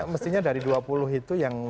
mestinya dari dua puluh itu yang